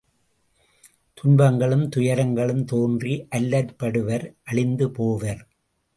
துன்பங்களும், துயரங்களும் தோன்றி அல்லற்படுவர் அழிந்து போவர்.